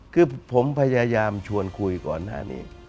คือผมพยายามชวนคุยก่อนหน้านี้